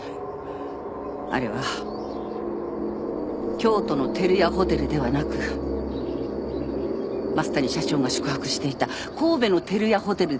あれは京都の照屋ホテルではなく増谷社長が宿泊していた神戸の照屋ホテルで撮ったものじゃないですか？